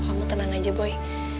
kamu tenang aja boy